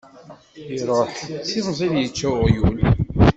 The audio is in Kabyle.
Iruḥ d timẓin yečča uɣyul.